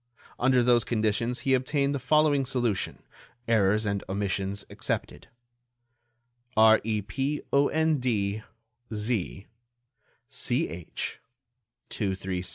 Under those conditions he obtained the following solution, errors and omissions excepted: REPOND Z—CH—237.